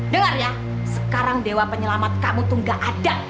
dengar ya sekarang dewa penyelamat kamu tuh gak ada